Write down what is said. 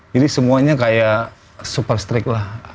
jadi semuanya kayak super strict lah